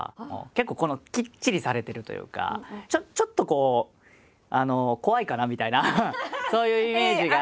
結構きっちりされてるというかちょっとこう怖いかなみたいなそういうイメージが。